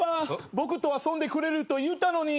僕と遊んでくれると言ったのに。